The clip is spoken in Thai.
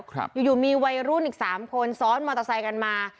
ครับอยู่อยู่มีวัยรุ่นอีกสามคนซ้อนมอเตอร์ไซค์กันมา